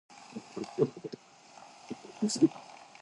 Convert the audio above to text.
しずかちゃんは女の子。